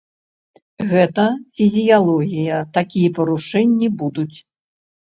Гэта фізіялогія, такія парушэнні будуць.